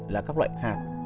bảy là các loại hạt